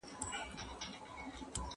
پښتو ګرامر ډېر دقيق دی.